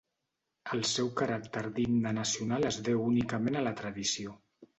El seu caràcter d'himne nacional es deu únicament a la tradició.